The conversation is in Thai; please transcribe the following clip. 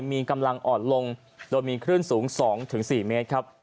มีกำลังอ่อนลงโดยมีคลื่นสูง๒๔เมตรครับ